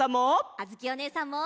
あづきおねえさんも。